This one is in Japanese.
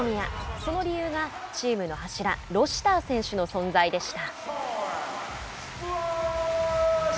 その理由がチームの柱ロシター選手の存在でした。